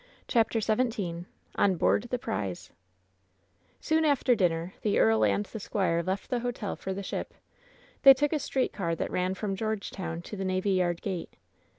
CHAPTER XVn ON BOABD THE PBIZB Soon after dinner the earl and the squire left the hotel for the ship. They took a street car that ran from Georgetown to the navy yard gate.